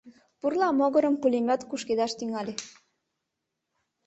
Пурла могырым пулемет кушкедаш тӱҥале.